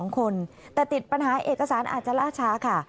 ๒คนแต่ติดปัญหาเอกสารอาจจะล่าช้าค่ะ